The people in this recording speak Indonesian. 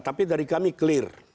tapi dari kami clear